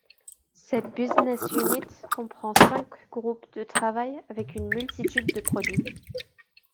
Cette business unit comprend cinq groupes de travail avec une multitude de produits.